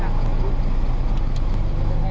จะถูกแล้ว